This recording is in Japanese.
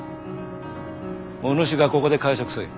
お主がここで介錯せい。